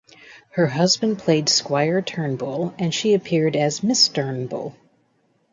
Her husband played Squire Turnbull and she appeared as Miss Turnbull.